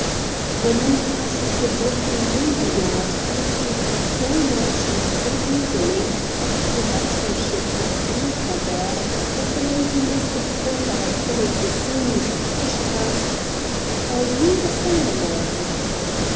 When we passed the Brooklyn Navy Yard I talked so much and so eagerly of the battle ships at anchor there that the lady must have thought I had followed the sea, for she asked: "Are you a sailorman?"